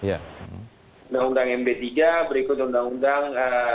undang undang md tiga berikut undang undang